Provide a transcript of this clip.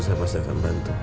saya pasti akan bantu